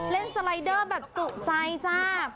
เล่นสไลด์เดอร์แบบจุใจจ้า